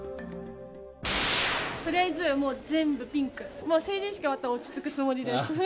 とりあえずもう全部ピンク、もう成人式終わったら落ち着くつもりです。